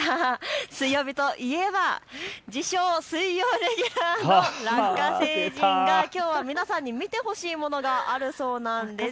水曜日といえば自称、水曜レギュラーのラッカ星人がきょうは皆さんに見てほしいものがあるそうなんです。